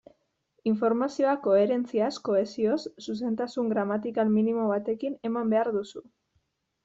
Informazioa koherentziaz, kohesioz, zuzentasun gramatikal minimo batekin eman behar duzu.